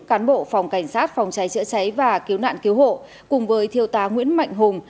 cán bộ phòng cảnh sát phòng cháy chữa cháy và cứu nạn cứu hộ cùng với thiêu tá nguyễn mạnh hùng